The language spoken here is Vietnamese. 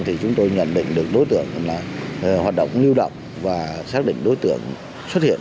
thì chúng tôi nhận định được đối tượng là hoạt động lưu động và xác định đối tượng xuất hiện